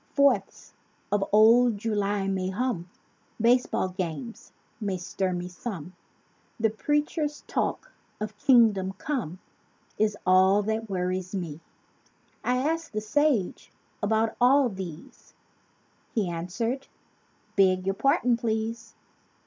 Fourths of old July may hum, (Baseball games may stir me some—) The preacher's talk of Kingdom Come Is all that worries me. I asked the sage about all these: He answered, "Beg your pardon, please!